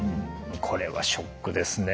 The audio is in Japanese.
これはショックですね。